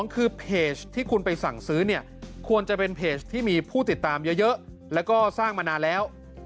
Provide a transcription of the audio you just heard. คือเพจที่คุณไปสั่งซื้อเนี่ยควรจะเป็นเพจที่มีผู้ติดตามเยอะแล้วก็สร้างมานานแล้ว